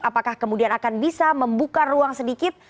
apakah kemudian akan bisa membuka ruang sedikit